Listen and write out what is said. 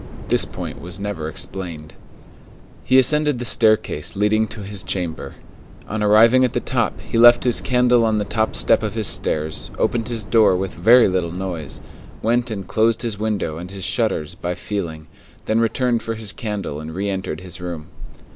This point was never explained. He ascended the staircase leading to his chamber. On arriving at the top, he left his candle on the top step of his stairs, opened his door with very little noise, went and closed his window and his shutters by feeling, then returned for his candle and re entered his room.